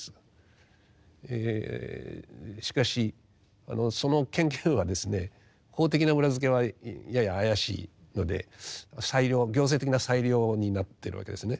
しかしその権限はですね法的な裏づけはやや怪しいので裁量行政的な裁量になってるわけですね。